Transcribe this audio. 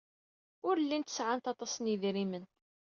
Ur llint sɛant aṭas n yedrimen.